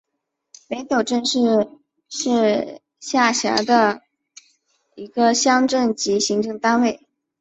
北陡镇是是下辖的一个乡镇级行政单位。